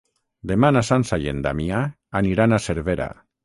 Demà na Sança i en Damià aniran a Cervera.